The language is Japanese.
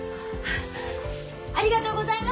ありがとうございます！